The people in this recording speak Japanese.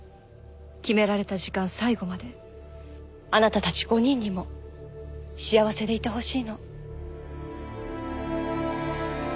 決められた時間最後まであなたたち５人にも幸せでいてほしいの。